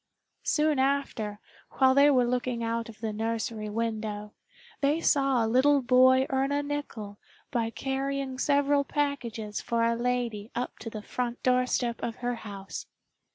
Soon after, while they were looking out of the nursery window, they saw a little boy earn a nickel by carrying several packages for a lady up to the front doorstep of her house.